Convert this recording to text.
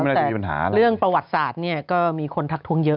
ไปแล้วแต่เรื่องประวัติศาสตร์ก็มีคนทักทวงเยอะ